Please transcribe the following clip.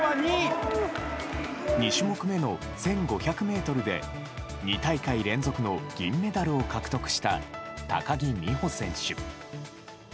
２種目目の１５００メートルで、２大会連続の銀メダルを獲得した高木美帆選手。